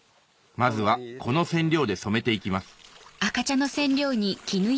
まずはこの染料で染めていきます